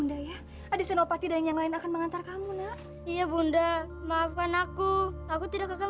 ndaya ada senopati dan yang lain akan mengantar kamu nak iya bunda maafkan aku aku tidak akan